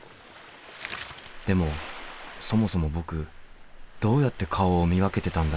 でもそもそも僕どうやって顔を見分けてたんだろう？